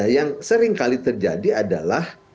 yang sering kali terjadi adalah